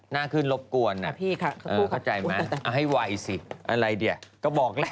หน้าขึ้นรบกวนอ่ะเข้าใจมั้ยเอาให้ไวสิอะไรเดี๋ยะก็บอกแล้ว